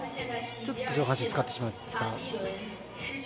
ちょっと上半身を使ってしまった。